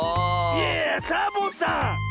いやいやサボさん！